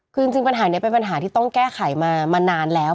คือจริงปัญหานี้เป็นปัญหาที่ต้องแก้ไขมานานแล้ว